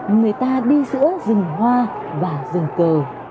người ta đi giữa rừng hoa và rừng cờ